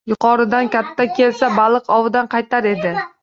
Yuqoridan katta kelsa... baliq ovidan qaytar edi.